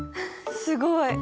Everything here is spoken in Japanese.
すごい。